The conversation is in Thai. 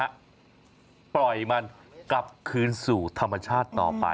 ปล่อยมันกลับคืนสู่ธรรมชาติต่อไป